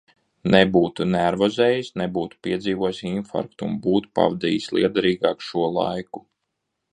Nebūtu nervozējis, nebūtu piedzīvojis infarktu un būtu pavadījis lietderīgāk šo laiku.